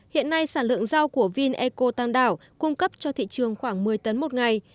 hiện nay sản lượng rau của vineco tam đảo cung cấp cho thị trường khoảng một mươi tấn một ngày